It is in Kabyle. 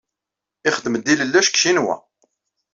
Ixeddem-d ilellac deg Ccinwa.